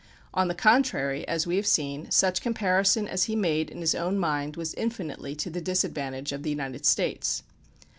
On the contrary, as we have seen, such comparison as he made in his own mind was infinitely to the disadvantage of the United States.